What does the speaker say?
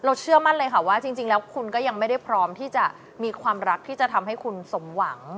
เชื่อมั่นเลยค่ะว่าจริงแล้วคุณก็ยังไม่ได้พร้อมที่จะมีความรักที่จะทำให้คุณสมหวัง